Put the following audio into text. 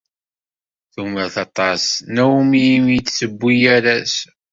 Tumer aṭas Naomi imi d-tewwi arraz.